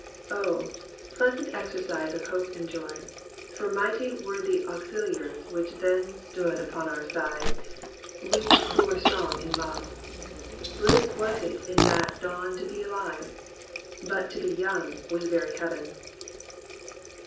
" Oh ! pleasant exercise of hope and joy ! For mighty were the auxiliars which then stood Upon our side, we who were strong in love ! Bliss was it in that dawn to be alive. But to be young was very heaven